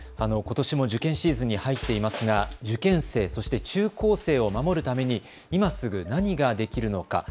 ことしも受験シーズンに入っていますが受験生、そして中高生を守るために今すぐ何ができるのか。